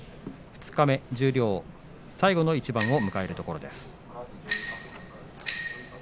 二日目十両最後の一番を迎えるところです。